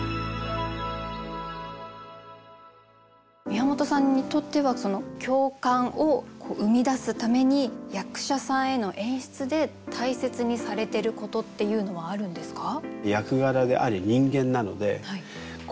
宮本さんにとっては共感を生み出すために役者さんへの演出で大切にされてることっていうのはあるんですか？